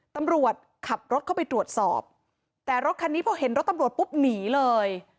ตำรวจขับรถเข้าไปตรวจสอบแต่รถคันนี้พอเห็นรถตำรวจปุ๊บหนีเลย